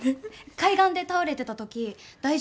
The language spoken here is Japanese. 海岸で倒れてた時大丈夫ですか？